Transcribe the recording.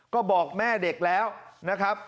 ก็บอกแม่เด็กแล้วนะครับ